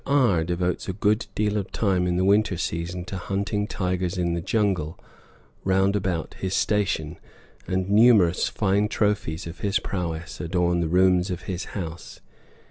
R devotes a good deal of time in the winter season to hunting tigers in the jungle round about his station, and numerous fine trophies of his prowess adorn the rooms of his house.